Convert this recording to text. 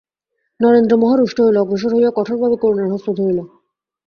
নরেন্দ্র মহা রুষ্ট হইল, অগ্রসর হইয়া কঠোর ভাবে করুণার হস্ত ধরিল।